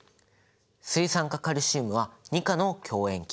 水酸化カルシウムは２価の強塩基。